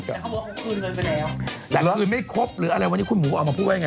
เขาก็บอกว่าคุณคุยเงินไปแล้วละครึ่งไม่ครบหรืออะไรวันเนี่ยคุณหมูออกมาพูดไว้ไง